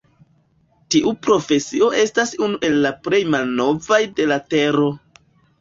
Tiu profesio estas unu el la plej malnovaj de la tero.